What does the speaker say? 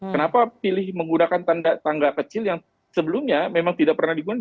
kenapa pilih menggunakan tanda tangga kecil yang sebelumnya memang tidak pernah digunakan